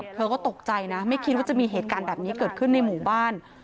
เธอก็ตกใจนะไม่คิดว่าจะมีเหตุการณ์แบบนี้เกิดขึ้นในหมู่บ้าน